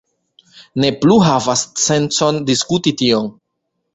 Ne plu havas sencon diskuti tion.